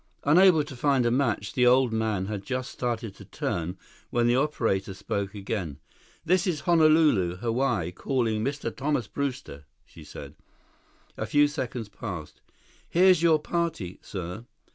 4 Unable to find a match, the old man had just started to turn when the operator spoke again. "This is Honolulu, Hawaii, calling Mr. Thomas Brewster," she said. A few seconds passed. "Here's your party, sir."